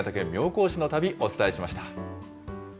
新潟県妙高市の旅、お伝えしました。